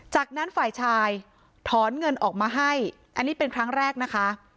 จากนั้นฝ่ายชายถอนเงินออกมาให้อันนี้เป็นครั้งแรกนะคะ